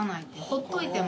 ほっといても。